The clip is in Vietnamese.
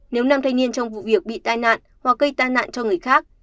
nếu nam thanh niên trong vụ việc bị tai nạn hoặc gây tai nạn cho người khác